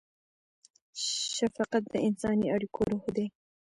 شفقت د انساني اړیکو روح دی.